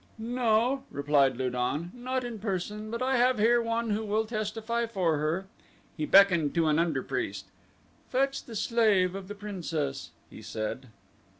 "No," replied Lu don, "not in person, but I have here one who will testify for her." He beckoned to an under priest. "Fetch the slave of the princess," he said.